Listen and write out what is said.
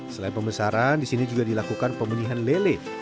selain pembesaran di sini juga dilakukan pemulihan lele